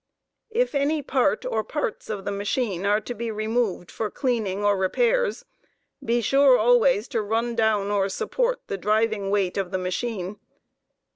If: any part or parts of the machine are to be removed for cleaning or repairs, p*£ m v 1 * 8 bedsore always to run down or support the driving weight of the machine.